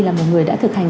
là một người đã thực hành